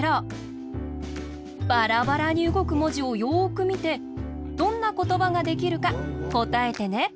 バラバラにうごくもじをよくみてどんなことばができるかこたえてね。